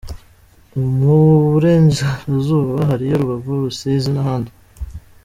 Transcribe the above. Mu Burengerazuba hariyo Rubavu, Rusizi n’ahandi.